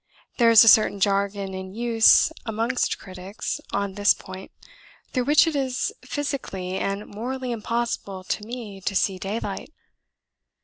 There is a certain jargon in use amongst critics on this point through which it is physically and morally impossible to me to see daylight.